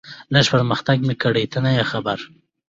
لږ پرمختګ مې کړی، ته نه یې خبر.